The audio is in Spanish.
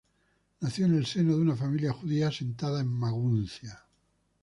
Nació en el seno de una familia judía asentada en Maguncia.